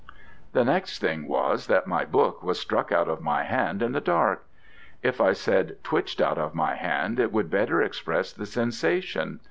The next thing was that my book was struck out of my hand in the dark: if I said twitched out of my hand it would better express the sensation.